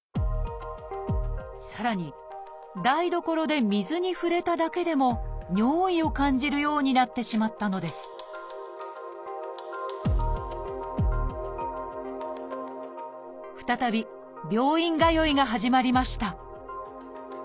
さらに台所で水に触れただけでも尿意を感じるようになってしまったのです再び病院通いが始まりました。